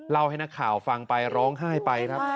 เล่าให้หน้าข่าวฟังไปร้องไห้ไปครับ